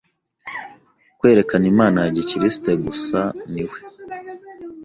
kwerekana Imana ya gikristo gusa ni we